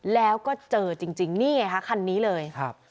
แล้วก็เจอจริงนี่ไงคะคันนี้เลยครับ